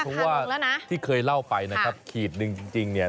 เพราะว่าที่เคยเล่าไปนะครับขีดหนึ่งจริงเนี่ย